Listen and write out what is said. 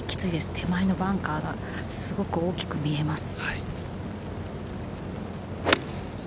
手前のバンカーが、すごく大きく見えます。